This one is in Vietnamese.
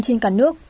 trên cả nước